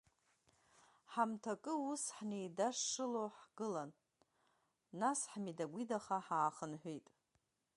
Ҳамҭакы ус ҳнеидашшыло ҳгылан, нас ҳмидагәидаха ҳаахынҳәит.